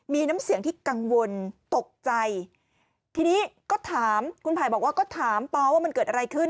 มีน้ำเสียงที่กังวลตกใจทีนี้ก็ถามคุณไผ่บอกว่าก็ถามป๊ว่ามันเกิดอะไรขึ้น